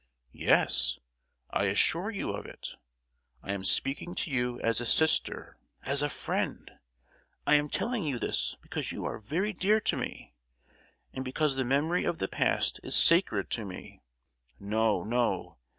"Yes, I assure you of it! I am speaking to you as a sister—as a friend! I am telling you this because you are very dear to me, and because the memory of the past is sacred to me. No, no!